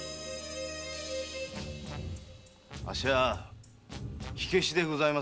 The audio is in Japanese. あっしは火消しでございますよ。